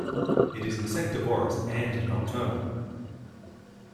It is insectivorous and nocturnal.